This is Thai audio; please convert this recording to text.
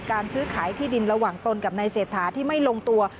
การซื้อขายที่ดินระหว่างตนกับนายเศรษฐาที่ไม่ลงตัว